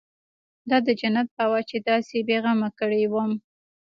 دا د جنت هوا چې داسې بې غمه کړى وم.